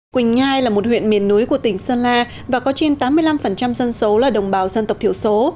quỳnh nhai là một huyện miền núi của tỉnh sơn la và có trên tám mươi năm dân số là đồng bào dân tộc thiểu số